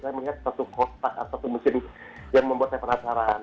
saya melihat satu kotak atau satu mesin yang membuat saya penasaran